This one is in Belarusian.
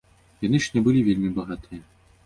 Яны ж не былі вельмі багатыя.